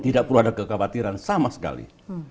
tidak perlu ada kekhawatiran sama sekali